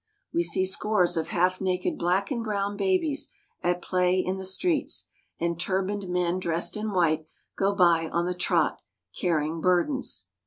We see scores of half naked black and brown babies at play in the streets, and turbaned men dressed in white go by on the trot, carrying burdens.'